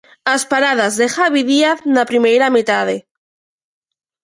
As paradas de Javi Díaz na primeira metade...